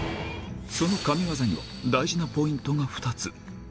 その神業には大事なポイントが２つ。